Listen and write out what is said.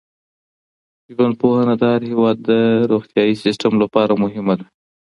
ژوندپوهنه د هر هېواد د روغتیايي سیسټم لپاره مهمه ده.